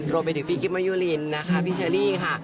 รวมไปถึงพี่กิ๊บมะยุลินนะคะพี่เชอรี่ค่ะ